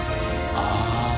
ああ。